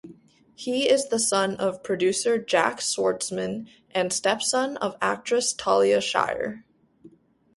He is the son of producer Jack Schwartzman and stepson of actress Talia Shire.